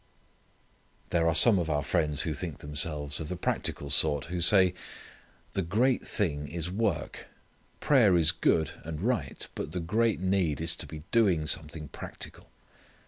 There are some of our friends who think themselves of the practical sort who say, "the great thing is work: prayer is good, and right, but the great need is to be doing something practical."